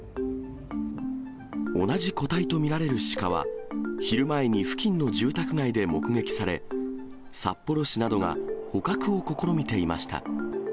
同じ個体と見られる鹿は、昼前に付近の住宅街で目撃され、札幌市などが捕獲を試みていました。